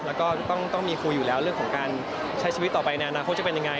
แล้วก็ต้องมีคุยอยู่แล้วเรื่องของการใช้ชีวิตต่อไปในอนาคตจะเป็นยังไง